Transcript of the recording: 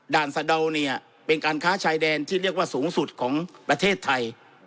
สะดาวเนี่ยเป็นการค้าชายแดนที่เรียกว่าสูงสุดของประเทศไทย